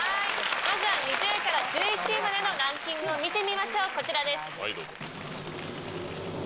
まずは２０位から１１位までのランキングを見てみましょう。